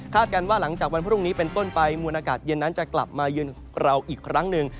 กันว่าหลังจากวันพรุ่งนี้เป็นต้นไปมวลอากาศเย็นนั้นจะกลับมาเยือนเราอีกครั้งหนึ่ง